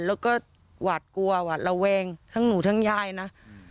แล้วก็หวาดกลัวหวาดระแวงทั้งหนูทั้งยายนะ